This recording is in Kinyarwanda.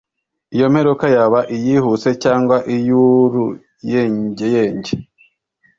Iyo mperuka yaba iyihuse cyangwa iy’uruyengeyenge